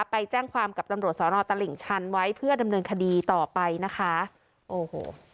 ไปแจ้งความกับตำรวจสอนอตลิ่งชันไว้เพื่อดำเนินคดีต่อไปนะคะโอ้โห